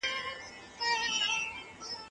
که د بدو ملګرو سره نه شو نو نه خرابېږو.